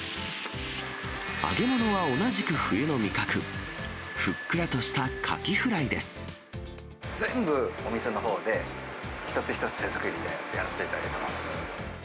揚げ物は同じく冬の味覚、ふっく全部、お店のほうで、一つ一つ手作りで、やらせてもらっています。